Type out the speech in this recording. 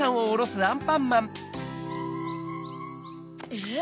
えっ？